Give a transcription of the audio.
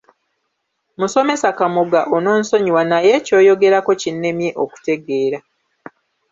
Musomesa Kamoga ononsonyiwa naye ky’oyogerako kinnemye okutegeera.